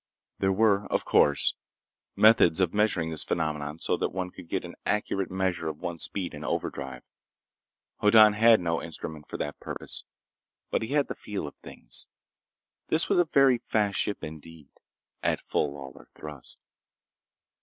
There were, of course, methods of measuring this phenomenon so that one could get an accurate measure of one's speed in overdrive. Hoddan had no instrument for the purpose. But he had the feel of things. This was a very fast ship indeed, at full Lawlor thrust.